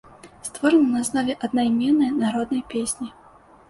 Створаны на аснове аднайменнай народнай песні.